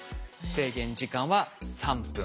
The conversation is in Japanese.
制限時間は３分。